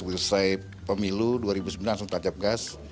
wilsai pemilu dua ribu sembilan belas langsung tancap gas